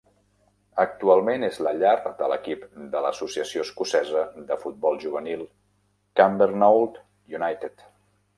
Actualment és la llar de l'equip de l'Associació Escocesa de Futbol Juvenil Cumbernauld United.